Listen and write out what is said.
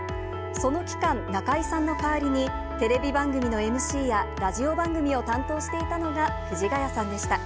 その期間、中居さんの代わりに、テレビ番組のＭＣやラジオ番組を担当していたのが藤ヶ谷さんでした。